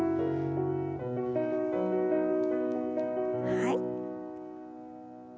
はい。